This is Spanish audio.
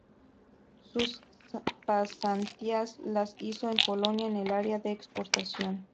Sus pasantías las hizo en Polonia en el área de exportación.